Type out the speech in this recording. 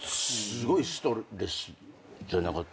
すごいストレスじゃなかったですか？